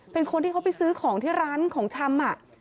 เป็นคนที่เขาไปซื้อของที่ร้านของชำ